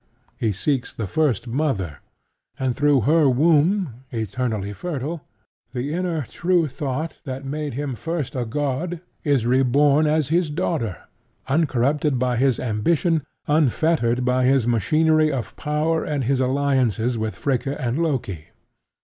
He seeks the First Mother; and through her womb, eternally fertile, the inner true thought that made him first a god is reborn as his daughter, uncorrupted by his ambition, unfettered by his machinery of power and his alliances with Fricka and Loki.